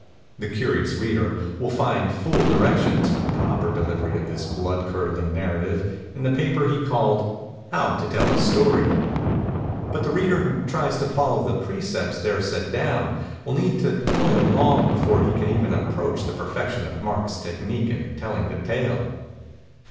The curious reader will find full directions for the proper de ry of this blood curdling narrative in the paper he called 'How to tell a Story'; but the 261 MEMORIES OF MARK TWAIN reader who tries to follow the precepts there set down will need to toil long before he can even approach the perfection of Mark's technic in telling the tale.